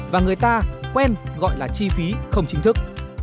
và người ta quen gọi là chi phí không chính thức